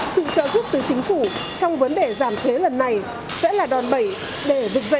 sự trợ giúp từ chính phủ trong vấn đề giảm thuế lần này sẽ là đòn bẩy để vực dậy các doanh nghiệp